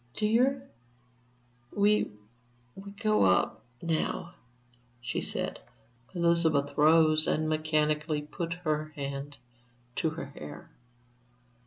"Dear, we we go up now," she said. Elizabeth rose and mechanically put up her hand to her hair.